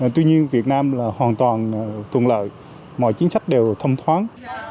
tuy nhiên việt nam là hoàn toàn thuận lợi mọi chính sách đều thông thoáng